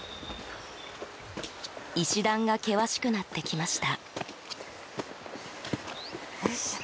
石段が険しくなってきました。